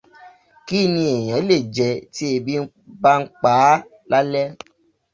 Kíni èèyàn lè jẹ tí ebi bá ń paá lálẹ́?